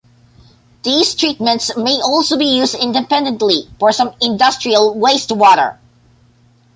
These treatments may also be used independently for some industrial wastewater.